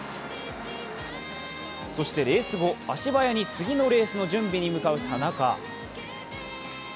そしてレース後足早に次のレースの準備に向かう田中。